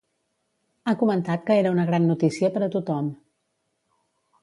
Ha comentat que era una gran notícia per a tothom.